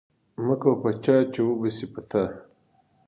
مکوه په چا چی وبه شی په تا